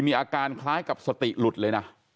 มีอาการคล้ายกับสติหลุดเลยนะ